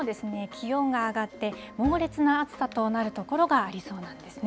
気温が上がって猛烈な暑さとなるところがありそうなんですね。